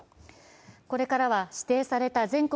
これからは指定された全国